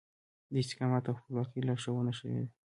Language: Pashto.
د استقامت او خپلواکي لارښوونه شوې ده.